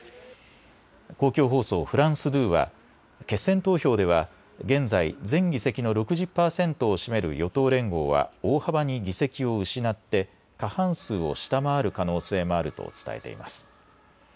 公共放送、フランス２は決選投票では現在、全議席の６０％を占める与党連合は大幅に議席を失って過半数を下回る可能性もあると伝えています。